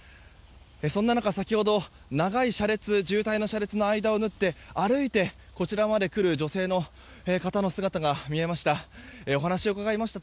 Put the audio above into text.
そんな中、先ほど長い渋滞の車列の間を縫って歩いてこちらまで来る女性の姿も見えました。